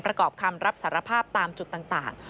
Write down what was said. ประกอบคำรับสารภาพตามจุดต่าง